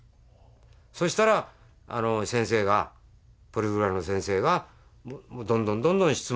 そしたらあの先生がポリグラフの先生がもうどんどんどんどん質問を。